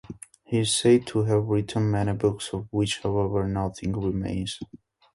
He is said to have written many books, of which however nothing remains.